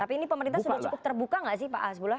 tapi ini pemerintah sudah cukup terbuka nggak sih pak hasbullah